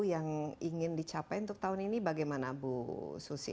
yang ingin dicapai untuk tahun ini bagaimana bu susi